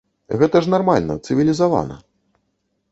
Гэта ж нармальна, цывілізавана.